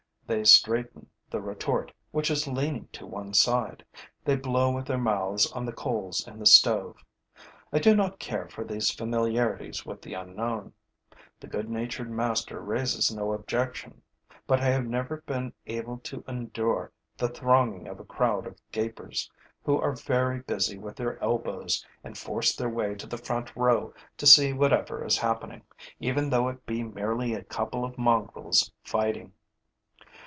They straighten the retort, which is leaning to one side; they blow with their mouths on the coals in the stove. I do not care for these familiarities with the unknown. The good natured master raises no objection; but I have never been able to endure the thronging of a crowd of gapers, who are very busy with their elbows and force their way to the front row to see whatever is happening, even though it be merely a couple of mongrels fighting.